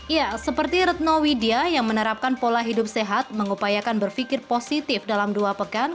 ya seperti retno widya yang menerapkan pola hidup sehat mengupayakan berpikir positif dalam dua pekan